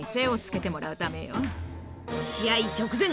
試合直前！